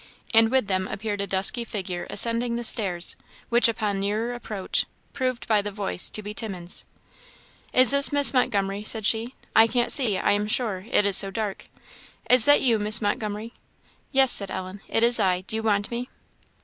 And with them appeared a dusky figure ascending the stairs, which, upon nearer approach, proved by the voice to be Timmins. "Is this Miss Montgomery?" said she "I can't see, I am sure, it's so dark. Is that you, Miss Montgomery?" "Yes," said Ellen, "it is I; do you want me?"